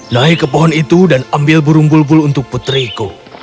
naik ke pohon itu dan ambil burung bulbul untuk putriku